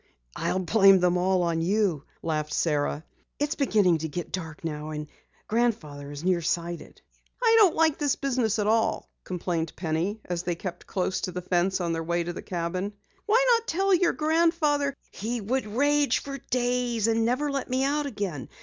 "I'll blame them all on you," laughed Sara, "It's beginning to get dark now. And Grandfather is near sighted." "I don't like this business at all," complained Penny as they kept close to the fence on their way to the cabin. "Why not tell your grandfather " "He would rage for days and never let me out again.